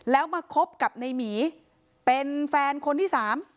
แล้วมาคบกับในหมีเป็นแฟนคนที่สาม